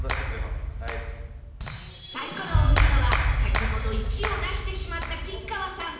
サイコロを振るのは先ほど「１」を出してしまった吉川さん